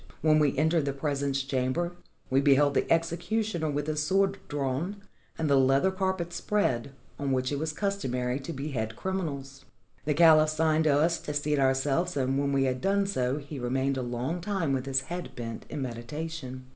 When we entered the presence chamber, we beheld the executioner with his sword drawn and the leather carpet spread, on which it was customary to behead criminals. The caliph signed to us to seat ourselves, and when we had done so he remained a long time with his head bent in meditation.